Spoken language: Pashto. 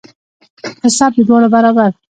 حساب د دواړو برابر.